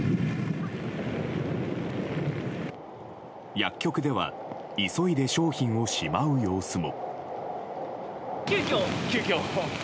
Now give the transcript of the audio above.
薬局では急いで商品をしまう様子も。